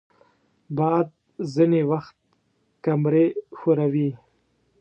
باد ځینې وخت کمرې ښوروي